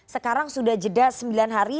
sekarang sudah jeda sembilan hari